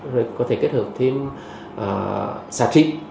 rồi có thể kết hợp thêm xà trị